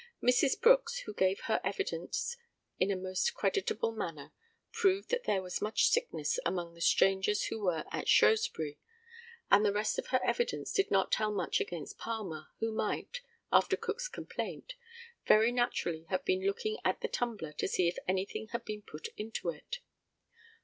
Mrs. Brooks, who gave her evidence in a most creditable manner, proved that there was much sickness among the strangers who were at Shrewsbury; and the rest of her evidence did not tell much against Palmer, who might, after Cook's complaint, very naturally have been looking at the tumbler to see if anything had been put into it.